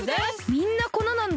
みんな粉なんだ！